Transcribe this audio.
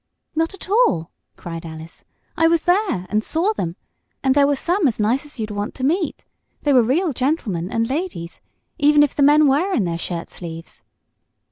"Not at all!" cried Alice. "I was there and saw them, and there were some as nice as you'd want to meet. They were real gentlemen and ladies, even if the men were in their shirt sleeves."